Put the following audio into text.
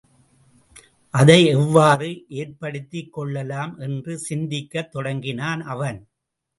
அதை எவ்வாறு ஏற்படுத்திக்கொள்ளலாம்? என்று சிந்திக்கத் தொடங்கினான் அவன்.